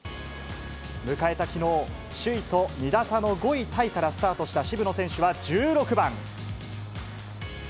迎えたきのう、首位と２打差の５位タイからスタートした渋野選手は１６番。